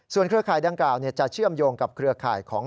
เครือข่ายดังกล่าวจะเชื่อมโยงกับเครือข่ายของ